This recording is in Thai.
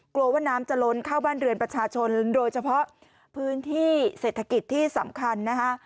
กลัวว่าน้ำจะล้นเข้าบ้านเรือนประชาชนโดยเฉพาะพื้นที่เศรษฐกิจที่สำคัญนะคะ